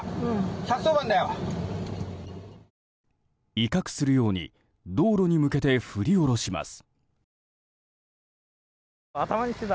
威嚇するように道路に向けて振り下ろします。